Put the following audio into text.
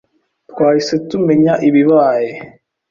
Twahise tumenya ibibaye.